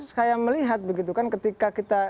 saya melihat begitu kan ketika kita